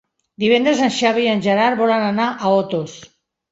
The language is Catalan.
Dijous en Xavi i en Gerard volen anar a Otos.